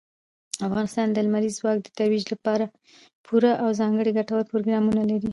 افغانستان د لمریز ځواک د ترویج لپاره پوره او ځانګړي ګټور پروګرامونه لري.